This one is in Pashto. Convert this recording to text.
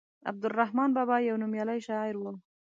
عبدالرحمان بابا يو نوميالی شاعر وو.